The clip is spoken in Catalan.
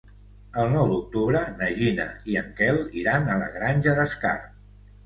El nou d'octubre na Gina i en Quel iran a la Granja d'Escarp.